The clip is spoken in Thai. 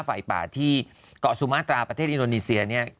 ไฟป่าที่เกาะสุมาตราประเทศอินโดนีเซียเนี่ย